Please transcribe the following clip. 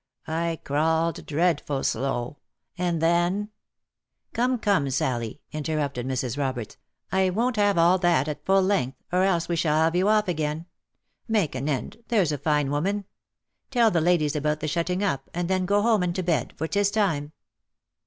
I crawled dreadful slow — and then —"" Come, come, Sally," interrupted Mrs. Roberts, " I won't have all that at full length, or else we shall have you off again; make an end, there's a fine woman. Tell the ladies about the shutting up, and then go home and to bed, for 'tis time."